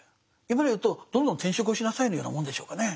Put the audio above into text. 今で言うとどんどん転職をしなさいのようなもんでしょうかね。